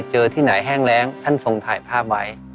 ที่ไหนแห้งแรงท่านทรงถ่ายภาพไว้